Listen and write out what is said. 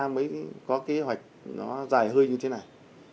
mới có kế hoạch nó dài hơi như thế này